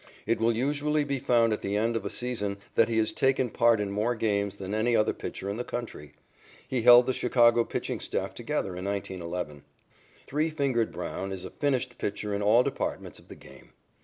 It will usually be found at the end of a season that he has taken part in more games than any other pitcher in the country. He held the Chicago pitching staff together in 1911. "Three Fingered" Brown is a finished pitcher in all departments of the game.